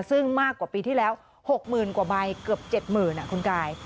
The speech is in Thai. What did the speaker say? ซึ่งมากกว่าปีที่แล้ว๖๐๐๐กว่าใบเกือบ๗๐๐คุณกาย